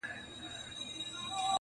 چی له خولې به یې تیاره مړۍ لوېږی -